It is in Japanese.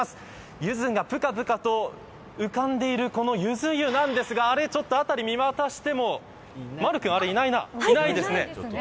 ゆずがぷかぷかと浮かんでいるこのゆず湯なんですがちょっと辺りを見回してもまる君、あれ、いないな。